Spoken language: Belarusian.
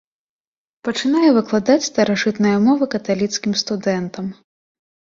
Пачынае выкладаць старажытныя мовы каталіцкім студэнтам.